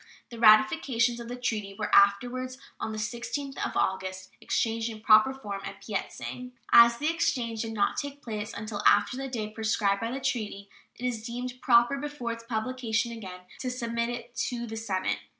The ratifications of the treaty were afterwards, on the 16th of August, exchanged in proper form at Peit sang. As the exchange did not take place until after the day prescribed by the treaty, it is deemed proper before its publication again to submit it to the Senate.